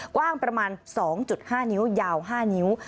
กว้างประมาณ๒๕นิ้วยาว๕นิ้ว